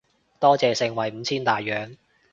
多謝盛惠五千大洋